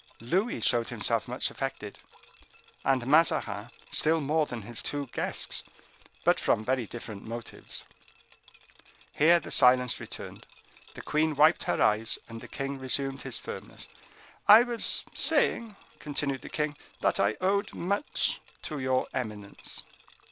Louis showed himself much affected, and Mazarin still more than his two guests, but from very different motives. Here the silence returned. The queen wiped her eyes, and the king resumed his firmness. "I was saying," continued the king, "that I owed much to your eminence."